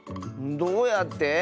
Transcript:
どうやって？